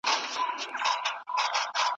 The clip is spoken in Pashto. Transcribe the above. فساد مه خپروئ.